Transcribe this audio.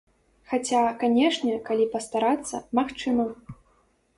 Хаця, канешне, калі пастарацца, магчыма.